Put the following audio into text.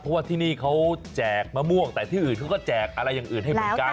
เพราะว่าที่นี่เขาแจกมะม่วงแต่ที่อื่นเขาก็แจกอะไรอย่างอื่นให้เหมือนกัน